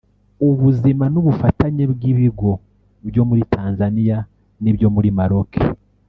ubuzima n’ubufatanye bw’ibigo byo muri Tanzania n’ibyo muri Maroc